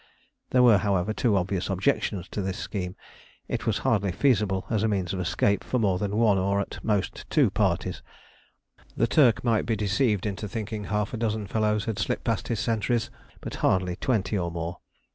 There were, however, two obvious objections to this scheme. It was hardly feasible as a means of escape for more than one or at most two parties: the Turk might be deceived into thinking half a dozen fellows had slipped past his sentries, but hardly twenty or more.